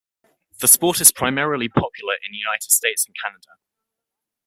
The sport is primarily popular in United States and Canada.